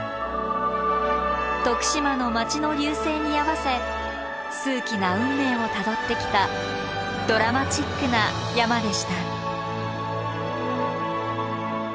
徳島の街の隆盛に合わせ数奇な運命をたどってきたドラマチックな山でした。